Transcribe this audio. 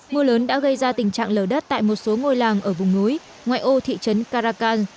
mưa lớn đã gây ra tình trạng lờ đất tại một số ngôi làng ở vùng núi ngoại ô thị trấn caracal